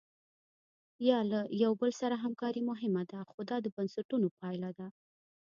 یا له یو بل سره همکاري مهمه ده خو دا د بنسټونو پایله ده.